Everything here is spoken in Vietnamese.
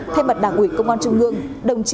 thay mặt đảng ủy công an trung ương